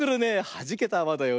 はじけたあわだよ。